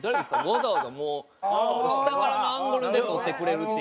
わざわざもう下からのアングルで撮ってくれるっていう。